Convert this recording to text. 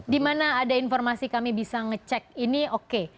di mana ada informasi kami bisa ngecek ini oke